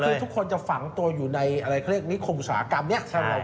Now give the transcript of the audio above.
ซึ่งทุกคนจะฝังตัวอยู่ในอะไรเขาเรียกนิคมอุตสาหกรรมนี้